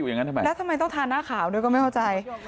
ดูสิแล้วทำไมต้องทานหน้าขาวด้วยก็ไม่เข้าใจ